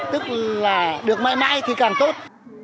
tức là được mãi mãi thì càng tốt